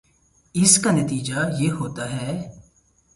اس کا نتیجہ یہ ہوتا ہے